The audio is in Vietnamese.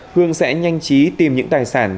hương sẽ nhanh chí tìm những tài sản